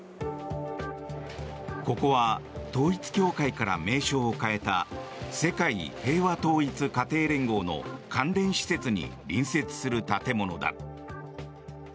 ここは統一教会から名称を変えた世界平和統一家庭連合の関連施設に隣接する建物だ。